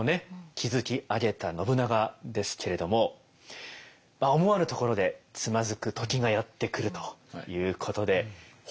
築き上げた信長ですけれども思わぬところでつまずく時がやって来るということで。